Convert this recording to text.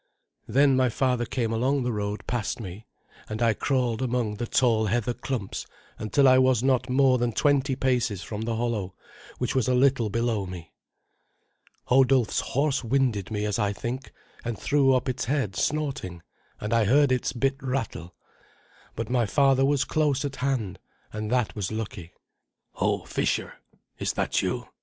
Then my father came along the road past me, and I crawled among the tall heather clumps until I was not more than twenty paces from the hollow, which was a little below me. Hodulf's horse winded me, as I think, and threw up its head snorting, and I heard its bit rattle. But my father was close at hand, and that was lucky. "Ho, fisher, is that you?"